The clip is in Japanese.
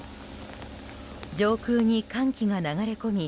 上空に寒気が流れ込み